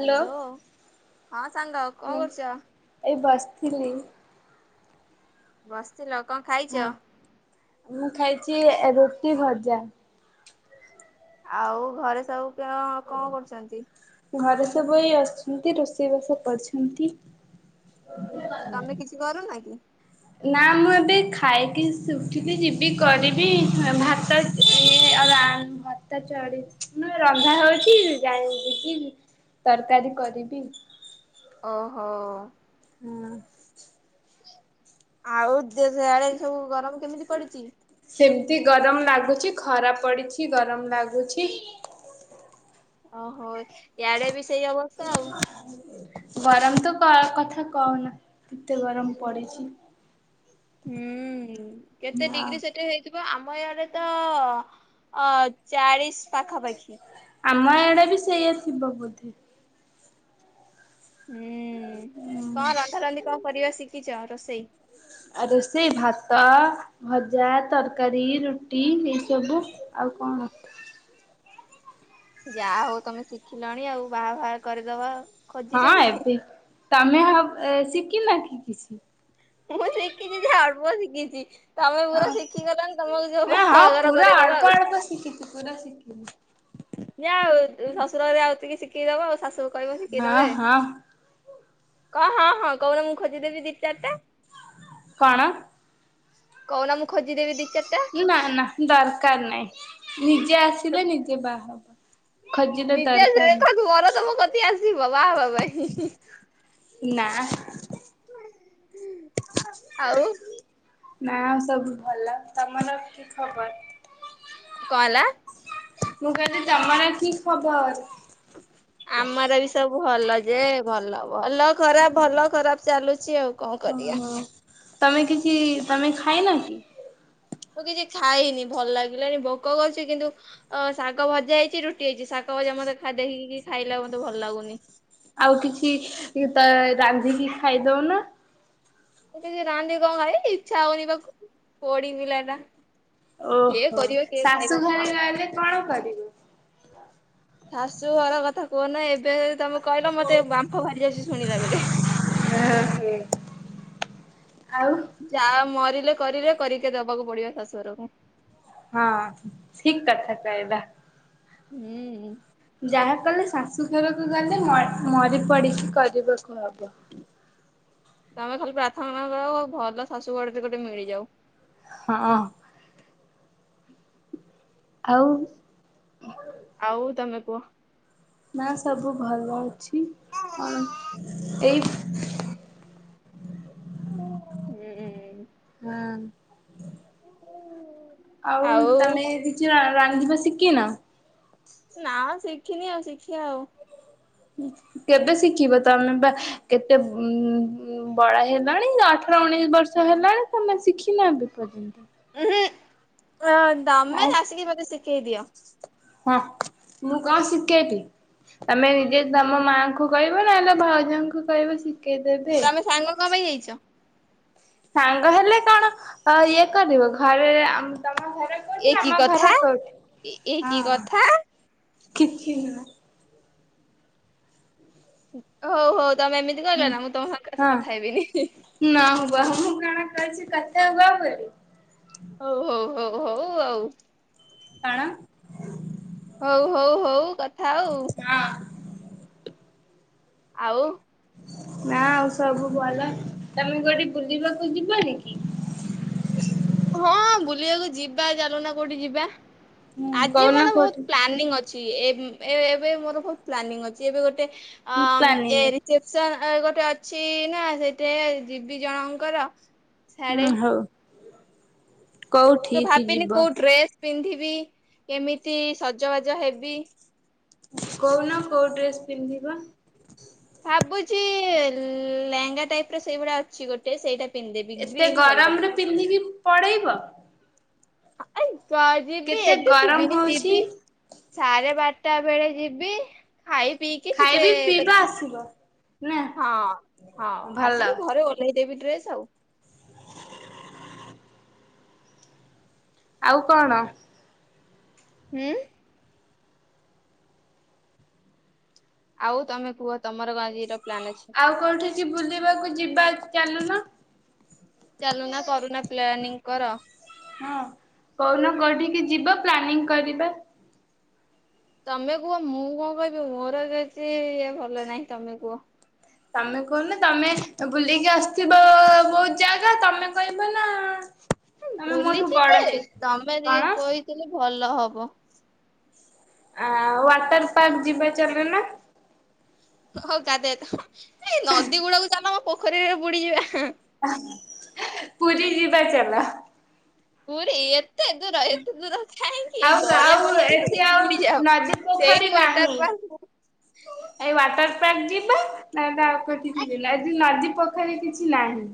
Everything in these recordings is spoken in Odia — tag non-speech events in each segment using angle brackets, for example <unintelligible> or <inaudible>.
ହ୍ୟାଲୋ ହଁ ସାଙ୍ଗ ଆଉ କଣ କରୁଛ ିଲେଇ ବସିଥିଲ ଲ କଣ ହଁ। ଖାଇଛ ମୁଁ ଖାଇଛି ରୁଟି ଭଜା ଆଉ ଘରେ ସବୁ କ କଣ କରୁଛନ୍ତି। ଘରେ ସବୁ ଏଇ ଆସୁଛନ୍ତି ରୋଷେଇବାସ କରଛନ୍ତି। ତମେ କିଛି କରନା କି ନା ମୁଁ ଏବେ ଖାଇକି ଶଠିବି ଯିବି କରିବି ଭାତଉ ଭତା ଚି ରନ୍ଧା ହଉଛି ଜଣ କି ତରକାରୀ କରିବି। ଓହୋ ହଁ ଆଉ ଦେ ସେଆଡେ ସବୁ ଗରମ କେମିତି ପଡିଛି? ସେମିତି ଗରମ ଲାଗୁଚ ଖରାପ ପଡିଛି ଗରମ ଲାଗୁଛି। ଓହୋ ଏଆଡେ ବି ସେଇ ଅବସ୍ଥା ଆଉ। ଗରମ ତ କଥା କହନା କେତେ ଗରମ ପଡିଛି। ହୁଁ କେତେ ହଁ। ଡିଗ୍ରୀ ସେଠା ହେଇ ଆମ ଇଆଡେ ତ ଅ ଚାଳିଶ ପାଖାପାଖି। ଆମ ଆଡେ ବି ସେଇଆ ଥିବ ବୋଧେ। ହୁଁ। ହୁଁ କଣ ରନ୍ଧା ରନ୍ଧି କଣ କରିବ? ଶିକିଚ ରୋଷେଇ? ଆ ରୋଷେଇ ଭାତ, ଭଜା, ତରକାରୀ, ରୁଟି, ଏସବୁ ଆଉ। କଣ ଅ ଯାହା ହଉ ତମେ ଶିଖିଲଣି ଆଉ ବାହା ବାହା କରିଦବା ଆଉ। ହଁ ଏତି। ତମେ ହବ୍ ଶିଖି ନା କି କିଛି? ମୁଁ ଶିଖିଛି ଯେ ଅଳପ ଶିଖିଛି। ତମେ ପୁରା ହଁ ଶିଖିଗଲଣି ତମକୁ ଯୋଉ ନା ହଁ ବାହାଘର ପୁରା କରେଇଦବା ଅଳପ ଆଉ। ଅଳପ ଶିକିଛି ପୁରା ଶିକିନି । ଯ ଆଉ ଶ୍ୱଶୁରରେ ଆଉ ଟିକେ ଶିଖେଇଦବ ଆଉ। ଶାଶୁ କହିବ ସିକେଇ ହଁ ଦେବେ ହଁ । ହଁ ହଁ କହୁନ ମୁଁ ଖୋଜିଦେବି ଦି ଚାରିଟା। କଣ? କହୁନା ମୁ ନା ନା ଦରକାର ନାହିଁ ନିଜେ ଆସିଲେ ନିଜେ ବାହା ହବ। ଖୋଜିଲେ ଦରକାର ନିଯେଖୁ ମର ତମ କତି ଆସିବ ବାହା ହବା ପାଇଁ। ନା । ଆଉ? ନା ସବୁ ଭଲ। ତମର କି ଖବର? କ ହେଲା? ମୁଁ କହିଲି ତମର କି ଖବର? ଆମର ବି ସବୁ ଭଲ ଅଚି। ଯେ ଭଲ ଭଲ ଖରାପ ଭଲ ଖରାପ ଚାଲୁଛି ଆଉ। କଣ କରିଆ? ଓହୋ ତମେ କିଛି ତମେ ଖାଇନା କି? ମୁଁ କିଛି ଖାଇନି ଭଲ ଲାଗିଲାଣିି ଭୋକ କରୁଛି କିନ୍ତୁ ଅ ଶାଗ ଭଜା ହେଇଛି ରୁଟି ହେଇଛି ଶାଗ ଭଜା ମତେ ଦେଖିକି ଖାଇଲା ମତେ ଭଲ ଲାଗୁନି। ଆଉ କିଛି ତ ରାନ୍ଧିକି ଖାଇଦଉନା। ରାନ୍ଧେ କଣ ଖାଇ ଇଚ୍ଛା ହଉନି ବାଖ। ଓହୋ କରିବ କିଏ ଖାଇବା ଶାଶୁ ଘରେ ଥାଉ। ରହିଲେ କଣ କର କନା ଏବେ। ଏ ତମେ କହିଲ ମତେ ବାମ୍ଫ ବାହାରି ଯାଉଛି ଶୁଣିଲା ବେଳେ। ଆଉ ଯା ମରିଲେ କରିଲେ କରିକି ଦବାକୁ ପଡିବ ଶାଶୁଘରକୁ। ହଁ ଠିକ୍ କଥାଟା ଏଟା। ହୁଁ ଯାହା କଲେ ଶାଶୁଘରକୁ ଗଲେ ମରି ପଡିକି କରିବାକୁ ହବ। ତମେ ଖାଲି ପ୍ରାର୍ଥନା କର ଆଉ ଭଲ ଶାଶୁ ଘଡେ ବି ଗୋଟେ ମିଳିଯାଉ। ହଁ ଆଉ ଆଉ ତମେ କୁହ ନା ସବୁ ଭଲ ଅଛି କଣ ଏଇ ହୁଁ ହଁ ଆଉ ତମେ <unintelligible> ଆଦିବାସୀ କି ନା ନା ଶିଖିନି ଆଉ ଶିଖିବା ଆଉ କେବେ ଶିଖିବ ତମେ ବା କେତେ ଉ ବଡ ହେଲାଣି ଅଠର ଉଣେଇଶି ବର୍ଷ ହେଲାଣି ତମେ ଶିଖିନ ଏବେ ପର୍ଯ୍ୟନ୍ତ ଅଁ ତମେ ଆଉ ଆସିକି ମୋତେ କେଇଦିଅ ହଁ ମୁଁ କଣ ଶିଖେଇବି ତମେ ନିଜେ ତମ ମାଆଙ୍କୁ କହିବ ନହଲେ ଭାଉଜଙ୍କୁ କହିବ ଶି ତମେ ସାଙ୍ଗ କ ପାଇଁ ହେଇଛ ସାଙ୍ଗ ହେଲେ କଣ ଇଏ କରିବ ଘରେମ ଏକି କଥା ଏକି ହଁ କଥା କିଛି ନା ହଉ ହଉ ତମେ ଏମିତି କହିଲ ନା ମୁଁ ତମଙ୍କ ସହ ହଁ। କଥା ହେବିନି ଛି କଥା ହୁଅ ବୋଲି ହଉ ହଉ ହଉ ହଉ ଆଉ କଣ? ହଉ ହଉ ହଉ କଥା ଆଉ ହଁ। ଆଉ। ନା ଆଉ ସବୁ ଭଲ ତମେ କୋଉଠି ବୁଲିବାକୁ ଯିବନି କି? ହଁ ବୁଲିବାକୁ ଯିବା ଚାଲୁନା କୋଉଠି ଯିବା ଆଜି କହୁନ ମାନେ କୋଉଠି ବହୁତ ପ୍ଲାନିଂ ଅଛି। ଅ ଏବେ ମୋର ବହୁତ ପ୍ଲାନିଂ ଅଛି ଏବେ ଗୋଟେ ଅ କି ପ୍ଲାନିଂ ଏ ଅଛି? ରିସେପସନ୍ ଆ ଗୋଟେ ଅଛି ନା ସେଇଠି ଯିବି ଜଣଙ୍କର ହୁଁ ହଉ। ତୁ କୋଉଠିକି ଭାବିନି ଯିବ? କୋଉ ଡ୍ରେସ ପିନ୍ଧିବି କେମିତି ସଜବାଜ ହେବି କହୁନ କୋଉ ଡ୍ରେସ୍ ପିନ୍ଧିବ ଭାବୁଛି ଲେହେଙ୍ଗା ଟାଇପ ର ସେଇଭଳିା ଅଛି ଗୋଟେ ସେଇଟା ପିନ୍ଧିଦେବି ଏତେ ଗ୍ରୀନ୍ କଲର ଗରମରେ ପିନ୍ଧିକି ପଡେଇବ କ ଯିବି ଏବେ ଗରମ ଯିବିନି ହଉଛି ଯିବି ସାରେ ବାଟ ତା ବେଳେ ଯିବି ଖାଇ ପିଇକି ଟିକେ ଖାଇବି ପିଇବା କରିବି ଆସିବ। ନା ହଁ ହଁ ଭଲ ଆସିକି ଘରେ ଓହ୍ଲେଇଦେବି ଡ୍ରେସ ସ <unintelligible> ଆଉ କଣ। ଉଁ। ଆଉ ତମେ କୁହ ତମର କଣ ଆଜିର। ପ୍ଲାନ ଅଛି। ଆଉ କୋଉଠିକି ବୁଲିବାକୁ ଯିବା ଚାଲୁନ। ଚାଲୁନା କରୁନା ପ୍ଲାନିଂ କର। ହଁ କହୁନ କଉଠିକି ଯିବ ପ୍ଲାନିଂ କରିବା। ତମେ କୁହ ମୁଁ କଣ କହିବି ମୋର ଯଦି ଇ ଭଲ ନାହିଁ ତମେ କୁହ। ତମେ କହୁନ ତମେ ବୁଲିକି ଆସିଥିବ ବହୁତ ଜାଗା ତମେ କହିବ ନା। ତମେ ମୋଠୁ ବୁଲିଚି ଯେ ବଡ ସେ ତମେ ଟିକେ କଣ କହିଥିଲେ ଭଲ ଭଲ ହବ। ଆ ୱାଟର ପାର୍କ ଯିବା ଚାଲୁନ। ହ ଗାଧେଇବା ତ ଏଇ ନଦୀ ଗୁଡା ଚାଲ ମ ପୋଖରୀରେ ବୁଡିଯିବା। ପୁରୀ ଯିିବା ଚାଲ। ପୁରୀ ଏ ଏତେ ଦୂର ଏତେ ଦୂର କାହିଁକି ଆଉ ଗଡିଆ ଆଉ ପଡିଆ ଥିବ ଏଠି ସେଇଠି ଆଉ ନଦୀ ବୁଡିଯାଅ ପୋଖରୀ ସେଇଠୁ ବାରଟା ନାହିଁ। ରୁ ଆସୁ <inaudible> ନାଇଁ ଆଉଠିକି ଯିବୁ ନା ଆଜି ନ ପୋଖରୀ କିଛି ନାହିଁ।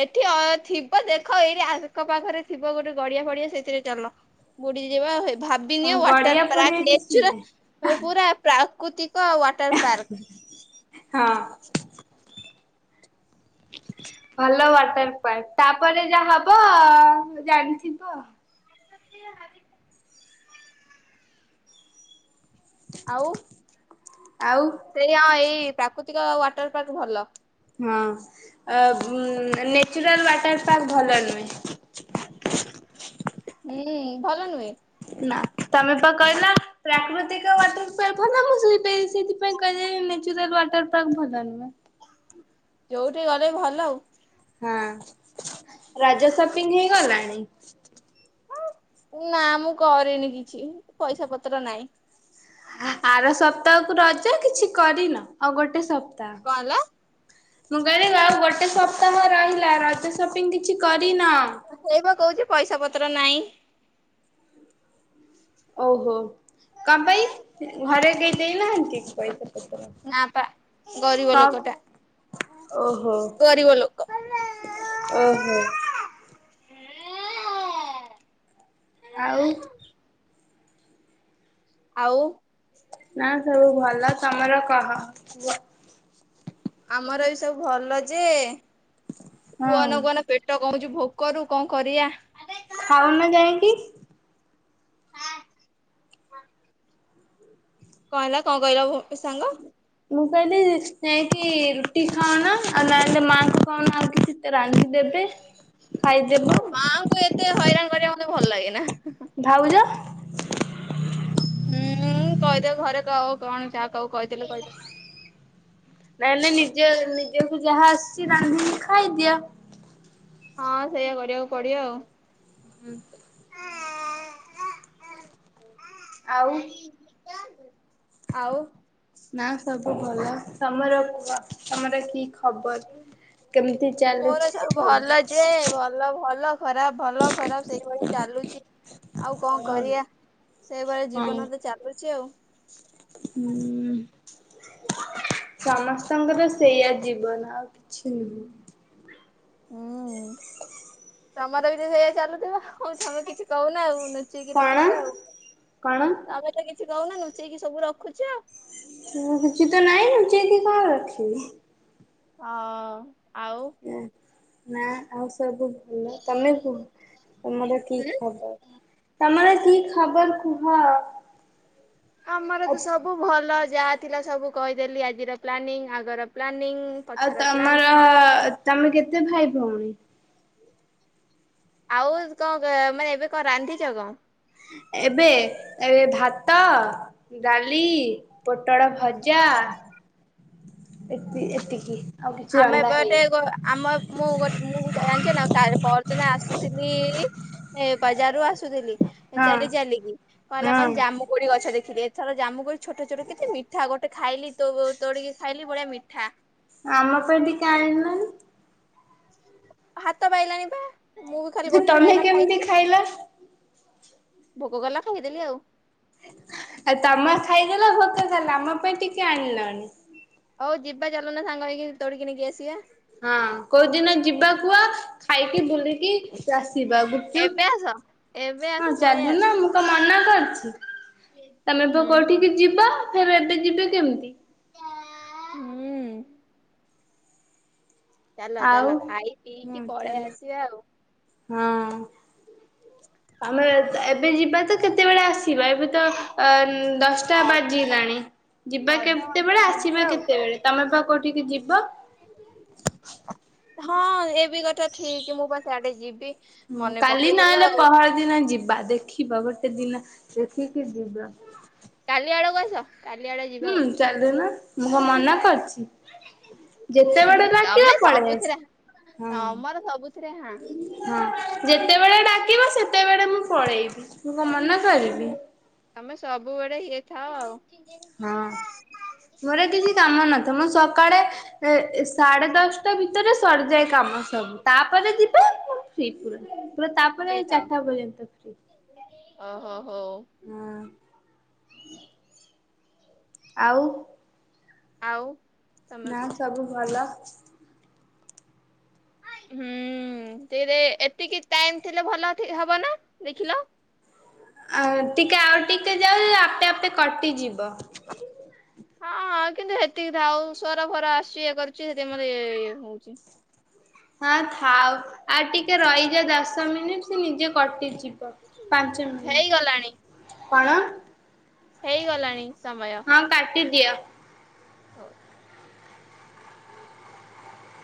ଏଠି ଥିବ ଦେଖ ଏଇଠି ଆଖ ପାଖରେ ଥିବ ଗୋଟେ ଗଡିଆ ଫଡିଆ ସେଥିରେ ଚାଲ ବୁଡିଯିବା ଆଉ ହେ ଭାବିନିଅ ଗଡିଆ ୱାଟର ଫଡିଆ ପ୍ରାକ କିଛି ନାହିଁ ନେଚୁରାଲ ପୁରା ପ୍ରା କୋ <unintelligible> ୱାଟର ପାର୍କ। ହଁ। ଭଲ ୱାଟର ପାର୍କ ତାପରେ ଯାହା ହବ ଜାଣିଥିବ। <unintelligible> ଆଉ। ଆଉ। ସେଇଆ ଏଇ। ପ୍ରାକୃତିକ ୱାଟର ପାର୍କ ଭଲ। ହଁ ନେଚୁରାଲ ୱାଟର ପାର୍କ ଭଲ ନୁହେଁ। ହୁଁ ଭଲ ନୁହେଁ। ନା ତମେ ତ କହିଲ ପ୍ରାକୃତିକ ୱାଟର ପାର୍କ ଭଲ ମୁଁ ସେଇପାଇଁ ସେଇଥିପାଇଁ କହିଲଦେଲି ନେଚୁରାଲ ୱାଟର ପାର୍କ ଭଲ ନୁହେଁ । ଯୋଉଠି ଗଲେ ଭଲ ଆଉ। ହଁ ରଜ ସପିଙ୍ଗ ହେଇଗଲାଣି। ନା ମୁଁ କରିନି କିଛି ପଇସା ପତ୍ର ନାଇଁ। ଆର ସପ୍ତାହକୁ ରଜ କିଛି କରିନ ଆଉ ଗୋଟେ ସପ୍ତା କଣ ହେଲା। ମୁଁ କହିଲି ଆଉ ଗୋଟେ ସପ୍ତାହ ରହିଲା ରଜ ସପିଙ୍ଗ କିଛି କରିନ? ସେଇବା କହୁଛି ପଇସା ପତ୍ର ନାଇଁ। ହଁଁ <unintelligible> ଓହୋ କଁ ପାଇଁ ଘରେ କେହି ଦେଇନାହାନ୍ତି ପଇସା? ପତ୍ର? ନାଁ ପା ଗରିବ ସବ୍ ଲୋକଟା ଓହୋ ଗରିବ ଲୋକ। ଓହୋ ଆଉ ଆଉ ନାଁ ସବୁ ଭଲ ତମର କହ କୁଅ। ଆମର ବି ସବୁ ଭଲ ଯେ କୁଅନା କୁଅନା ପେଟ କହୁଚୁ ଭୋକରୁ କଣ କରିବା? ଖାଉନ ଯାାଇଁକି। ଖା। କଁ ହେଲା କଁ କହିଲ ଭୋ ଏ ସାଙ୍ଗ ମୁଁ କହିଲି ଯାଇଁକି ରୁଟି ଖାଉନ। ଆଉ ନହେଲେ ମାଙ୍କୁ କୋହୁନ ଆଉ କିଛି ରାନ୍ଧି ଦେବେ। ମୋ ମାଆଙ୍କୁ ଏତେ ହଇରାଣ କରିବା ମ ତେ ଭଲ ଲାଗେ ନାଁ। ଭାଉଜ ହୁଁ କହିଦେ ଘରେ କାହାକୁ କଣ ଯାହା କାହାକୁ କହିଦେଲେ କହିଦେ। ନାହିଲେ ନିଜ ନିଜକୁ ଯାହା ଆସିଚି ରାନ୍ଧିକି ଖାଇଦିଅ। ହଁ ସେଇଆ କରିବାକୁ ପଡ଼ିବ ଆଉ। ହୁଁ। ଆଉ ଆଉ ନାଊ ସ ଭଲ ତମର କୁହ ତମର କି ଖବର କେମିତି ମୋର ଚାଲୁଛି ସବୁ ଭଲ ଯେ ଭଲ ଭଲ ଖରାପ ଭଲ ଖରାପ ସେଇଭଳିଆ ଚାଲୁଚି ଆଉ କଣ କରିବା ସେଇଭଳିଆ ହଁ ଜୀବନ ତ ଚାଲୁଚି ଆଉ। ହୁଁ ସମସ୍ତଙ୍କର ସେଇଆ ଜୀବନ ଆଉ କିଛି ନୁହଁ। ଉଁ ତମର ବି ତ ସେଇଆ ଚାଲୁଥିବ ଆଉ ତମେ କିଛି କହୁନ ଆଉ‌। ଲୁଚେଇକି କଣ ରଖୁଚ ଆଉ। କଣ ତମେ ତ କିଛି କୋହୁନ ନୁ ଚେଇକି ସବୁ ରଖୁଚ । ତ ରୁଚି ତ ନାଇଁ ନୁଚେଇକି କଣ ରଖିବି? ଅ ଆଉ ନାଁ ଆଉ ସବୁ ଭଲ ତମେ କୁହ ତମର କି ହୁଁ। ଖବର। ତମର କି ଖବର କୁହ। ଆମର ଆଉ ତ ସବୁ ଭଲ ଯାହା ଥିଲା ସବୁ କହିଦେଲି ଆଜିର ପ୍ଲାନିଂ ଆଗର ପ୍ଲା ଆଉ ତମର ତମେ କେତେ ଭାଇ ଭଉଣୀ? ଆଉ କଣ ମାନେ ଏବେ କଣ ରାନ୍ଧିଛ କଣ? ଏବେ ଏବେ ଭାତ, ଡାଲି ପୋଟଳ ଭଜା ଏତି ଏତିକି ଆଉ କିଛି ଆମେ ରନ୍ଧା ଏବେଟେ ହେଇନି ଆମ ମୁଁ ମୁଁ ଜାଣିଛି ନା କାଲି ପରଦିନ ଆସୁଥିଲି ବଜାରରୁ ଆସୁଥିଲି ହଁ ଚାଲି ଚାଲିକି କହିଲା ହଁ କଣ ଜାମୁ କୋଳି ଗଛ ଦେଖିଲି ଏଥର ଜାମୁ କୋଳି ଛୋଟ ଛୋଟ କିଛି ମିଠା ଗୋଟେ ଖାଇଲି ତୋ ତୋଳିକି ଖାଇଲି। ବଢ଼ିଆ ମିଠା ଆମ ପାଇଁ ଟିକେ ଆଣିଲୁନି। ହାତ ପାଇଲାଣି ପା ମୁଁ ବି ଖାଲି ଯେ ଗୋଟେ ତମେ ପାଇଲା କେମିତି ଖାଇଲି ଖାଇଲ ଭୋକ କଲା ଖାଇଦେଲି ଆଉ। ଆଉ ତମା ଖାଇଦେଲ ଭୋକ କଲା ଆଉ ଆମ ପାଇଁ ଟିକେ ଆଣିଲଣି। ହଉ ଯିବା ଚାଲୁନା ସାଙ୍ଗ ହେଇକି ତୋଳିକି ନେଇକି ଆସିବା। ହଁ କୋଉଦିନ ଯିବା କୁଅ ଖାଇକି ବୁଲିକି ଆସି ଯିବା ଗୁପଚୁପ ଏବେ ଆସ ଏବେ <inaudible> ଆସ ହଁ ପଳେଇ ଚାଲୁ ଆସ। ନ ମୁଁ କଣ ମନା କରିି <unintelligible> ତମେ ପା ହୁଁ। କୋଉଠିକି ଯିବ ଫେରେ ଏବେ ଯିବେ କେମିତି? <unintelligible> ହୁଁ। ଚାଲ ଆଉ ଚାଲ ଖାଇ ହଁ ପିଇକି ଚାଲ ପଳେଇ ଆସିବା ଆଉ। ହଁ <inaudible> ଆମେ ଏବେ ଯିବା ତ କେତେବେଳେ ଆସିବା ଏବେ ତ ଅ ଦଶଟା ଅ ବାଜିଲାଣି ଯିବା ଅଧଘଣ୍ଟେ କେତେବେଳେ ଲାଗିବ ଆସିବା ଆଉ। କେତେବେଳେ ତମେ ପା କଉ ଟିକେ ଯିବ <inaudible> ହଁ ଏ ବି ଗୋଟେ ଠିକି ମୁଁ ପା ସେ ଆଡେ ଯିବି। ହୁଁ ମନେ କାଲି ପକେଇଦେଲ ନହେଲେ ଆଉ। ପହର ଦିନ ଯିବା ଦେଖିବା ଗୋଟେ ଦିନ ଦେଖି କି ଯିବା । କାଲି ଆଡକୁ ଆସ କାଲି ଆଡେ ଯିବା ହୁଁ ଆଉ। ଚାଲୁନ। ମୁ କଣ ମନା କରିଛି। ଯେତେବେଳେ ଡାକିଲ ତମେ ପଳେଇ ଆସ ସବୁଥିରେ ହଁ ତମର ସବୁଥିରେ ହାଁ <inaudible> ହଁ ଯେତେବେଳେ ସେତେବେଳେ ମୁଁ ପଳେଇବି ମୁଁ କ ମନା କରିବି। ତମେ ସବୁବେଳେେ ଇଏ ଥାଅ ଆଉ । ହଁ ମୋର କିଛି କାମ ନଥ ମୁଁ ସକାଳେ ଏ ସାଢେ ଦଶଟା ଭିତରେ ସରିଯାଏ କାମ ସବୁ ତାପରେ ଯିବେ ଫ ପୁର ପୁରା ତାପରେ ଫ୍ରି ଥାଅ ଚାରିଟା ପର୍ଯ୍ୟନ୍ତ ଫ୍ରି ଓହୋ ହଉ ହଁ ଆଉ ଆଉ ତମେ ନା କୁହ ସବୁ ଭଲ ହ <inaudible> ହୁଁ ସେ ଏତିକି ଟାଇମ ଥିଲେ ଭଲ ଥି ହବ ନା ଦେଖିଲ। ଆ ଟିକେ ଆଉ ଟିକେ ଯାଉ ଆପେ ଆପେ କଟିଯିବ। ହଁ ହ କିନ୍ତୁ ସେତିକି ଆଉ ସୋର ଫୋର ଆସିୁଛି ଇଏ କରୁଛି ସେକି ମତେ ଇଏ ହଉଛି। ହଁ ଥାଉ। ଆଉ ଟିକେ ରହିଯା ଦଶ ମିନିଟ୍ ସେ ନିଜେ କଟିଛିିବ ପାଞ୍ଚ ହେଇଗଲାଣି ମିନିଟ୍ କଣ ହେଇଗଲାଣି ସମୟ ବାଦିଆ <unintelligible> ହଉ